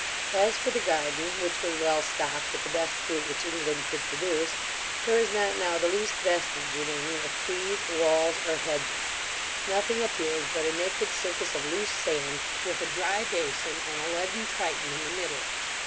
As for the garden, which was well stocked with the best fruit which England could produce, there is not now the least vestage remaining of trees, walls, or hedges Nothing appears but a naked circus of loose sand, with a dry bason and a leaden triton in the middle.